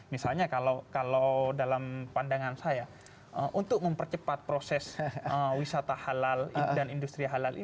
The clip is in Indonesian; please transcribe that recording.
misalnya kalau dalam pandangan saya untuk mempercepat proses wisata halal dan industri halal